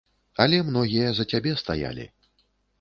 Але многія за цябе стаялі.